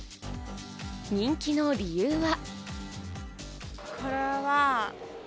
人気の理由は？